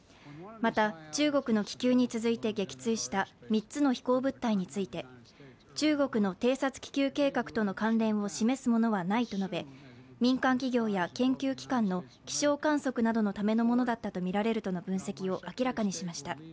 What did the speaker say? また、中国の気球に続いて撃墜した３つの飛行物体について、中国の偵察気球計画との関連を示すものはないと述べ民間企業や研究機関の気象観測などのためのものだったとみられるとの分析を明らかにしました。